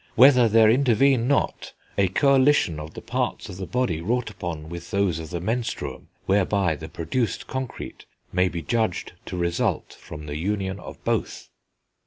whether there intervene not a coalition of the parts of the body wrought upon with those of the menstruum, whereby the produced concrete may be judged to result from the union of both."